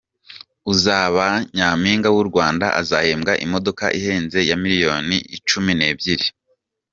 Uzaba Nyaminga W’uRwanda Azahembwa imodoka Ihenze ya miliyoni Cumi nebyiri